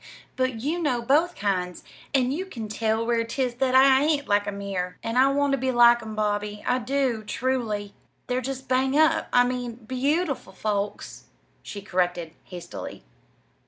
But you know both kinds, and you can tell where 'tis that I ain't like 'em here. And I want to be like 'em, Bobby, I do, truly. They're just bang up I mean, beautiful folks," she corrected hastily.